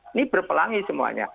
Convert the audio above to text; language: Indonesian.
ini berpelangi semuanya